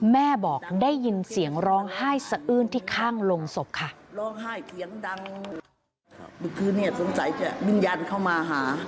แม่บอกได้ยินเสียงร้องไห้สะอื้นที่ข้างลงศพค่ะ